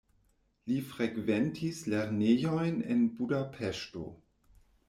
Li frekventis lernejojn en Budapeŝto.